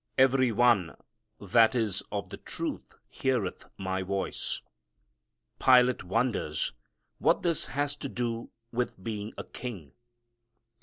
Every one that is of the truth heareth my voice." Pilate wonders what this has to do with being a king.